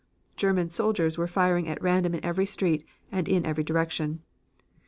German soldiers were firing at random in every street and in every direction.